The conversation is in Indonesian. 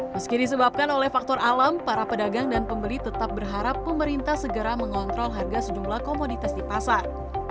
meski disebabkan oleh faktor alam para pedagang dan pembeli tetap berharap pemerintah segera mengontrol harga sejumlah komoditas di pasar